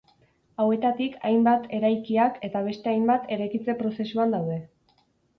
Hauetatik hainbat eraikiak, eta beste hainbat eraikitze prozesuan daude.